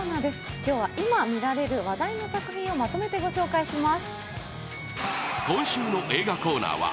今日は今、見られる話題の作品をまとめてご紹介します。